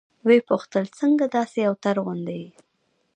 ويې پوښتل څنگه داسې اوتر غوندې يې.